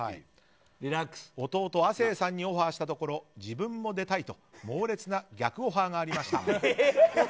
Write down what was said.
弟・亜生さんにオファーしたところ自分も出たいと猛烈な逆オファーがありました。